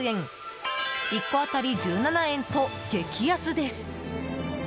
１個当たり１７円と激安です。